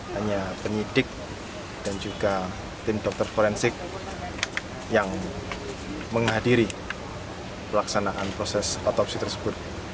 hanya penyidik dan juga tim dokter forensik yang menghadiri pelaksanaan proses otopsi tersebut